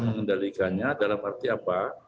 mengendalikannya dalam arti apa